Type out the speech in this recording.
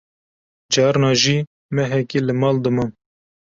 carna jî mehekî li mal dimam